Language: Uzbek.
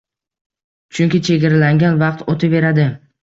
Chunki chegaralangan vaqt o’taveradi